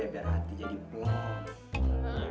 biar hati jadi buah